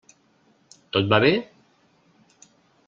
Tot va bé?